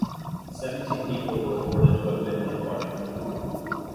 Seventeen people were reported to have been in their party.